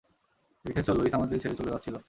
দেখেছ, লুইস আমাদের ছেড়ে চলে যাচ্ছিল।